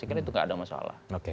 karena itu gak ada masalah